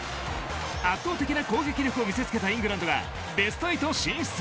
圧倒的な攻撃力を見せ付けたイングランドがベスト８進出。